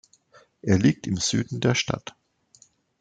Er liegt im Süden der Stadt.